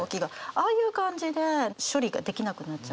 ああいう感じで処理ができなくなっちゃう。